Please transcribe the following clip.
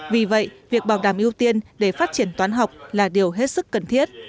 vì vậy việc bảo đảm ưu tiên để phát triển toán học là điều hết sức cần thiết